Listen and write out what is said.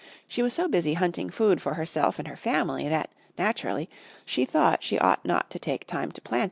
She was so busy hunting food for herself and her family that, naturally, she thought she ought not to take time to plant it.